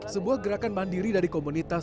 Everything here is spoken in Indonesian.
sebuah gerakan mandiri dari komunitas